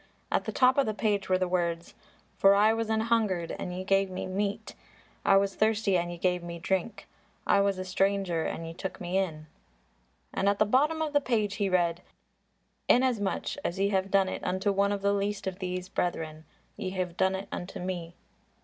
At the top of the page were the words, "For I was an hungered, and ye gave me meat; I was thirsty and ye gave me drink; I was a stranger and ye took me in...." And at the bottom of the page he read, "Inasmuch as ye have done it unto one of the least of these brethren, ye have done it unto me."